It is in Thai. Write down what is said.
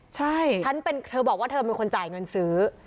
ใช่ฉันเป็นเธอบอกว่าเธอเป็นคนจ่ายเงินซื้อ